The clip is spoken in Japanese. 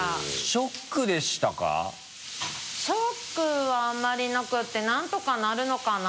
ショックはあんまりなくて何とかなるのかな？